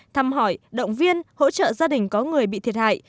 thăm hỏi động viên hỗ trợ gia đình có người bị thiệt hại